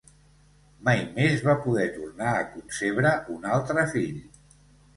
Mai més va poder tornar a concebre un altre fill.